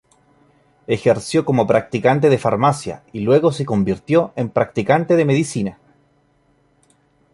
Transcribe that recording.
Ejerció como practicante de farmacia y luego se convirtió en practicante de medicina.